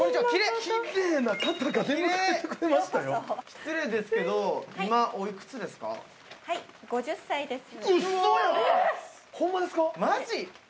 失礼ですけど、今おいくつで５０歳です。